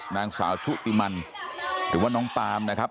นางสาวชุติมันหรือว่าน้องปามนะครับ